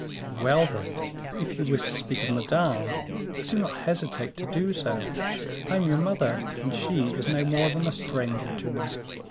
"Well, then, if you wish to speak of Madame, do not hesitate to do so. I am your mother, and she is no more than a stranger to me.